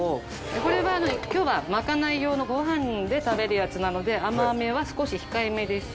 これは今日はまかない用のご飯で食べるやつなので甘めは少し控えめです。